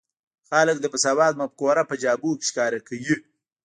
خلک د مساوات مفکوره په جامو کې ښکاره کوي.